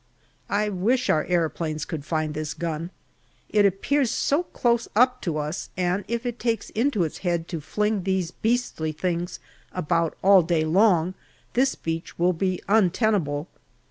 I wish our aeroplanes could find this gun ; it appears so close up to us, and if it takes it into its head to fling these beastly things about all day long, this beach will be untenable.